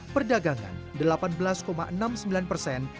perdagangan delapan belas enam puluh sembilan persen